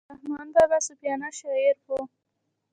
رحمان بابا صوفیانه شاعر وو.